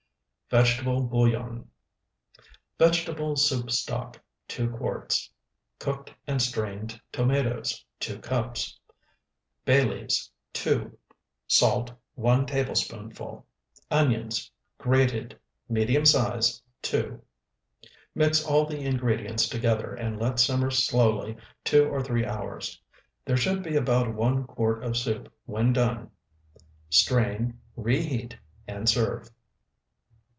VEGETABLE BOUILLON Vegetable soup stock, 2 quarts. Cooked and strained tomatoes, 2 cups. Bay leaves, 2. Salt, 1 tablespoonful. Onions, grated, medium size, 2. Mix all the ingredients together, and let simmer slowly two or three hours. There should be about one quart of soup when done; strain, reheat, and serve.